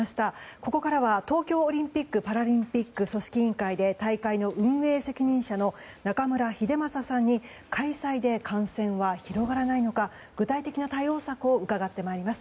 ここからは東京オリンピック・パラリンピック組織委員会で大会の運営責任者の中村英正さんに開催で感染は広がらないのか具体的な対応策を伺ってまいります。